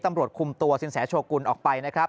ตำรวจคุมตัวศิษย์แชร์โชว์กุลออกไปนะครับ